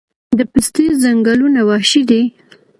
د پستې ځنګلونه وحشي دي؟